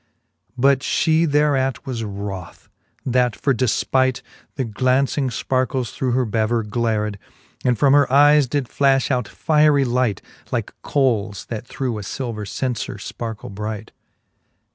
But fhe thereat was wroth, that for defpight The glauncing fparkles through her bever glared, And from her eies did flafh out fiery light, Like coles, that through a filver cenfer fparkle bright.